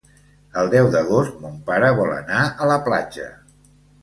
El deu d'agost mon pare vol anar a la platja.